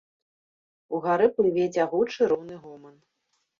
Угары плыве цягучы роўны гоман.